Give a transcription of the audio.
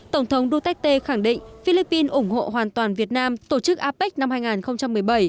tổng thống duterte khẳng định philippines ủng hộ hoàn toàn việt nam tổ chức apec năm hai nghìn một mươi bảy